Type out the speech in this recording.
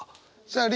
さあ